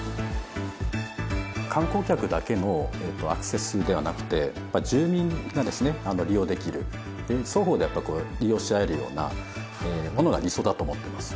観光客だけのアクセスではなくて、やっぱり住民が利用できる、双方でやっぱり利用し合えるようなものが理想だと思ってます。